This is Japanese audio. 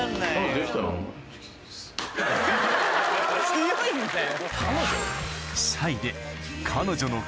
強いんだよ。